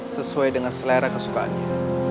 sesuai dengan selera kesukaannya